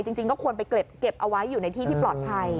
จริงก็ควรไปเก็บเอาไว้อยู่ในที่ที่ปลอดภัย